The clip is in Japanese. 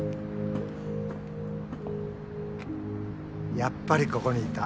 やっぱりここにいた。